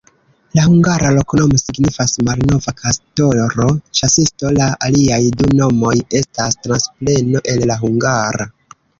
La hungara loknomo signifas: malnova-kastoro-ĉasisto, la aliaj du nomoj estas transpreno el la hungara.